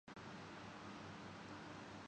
شاید کوئی محرم ملے ویرانئ دل کا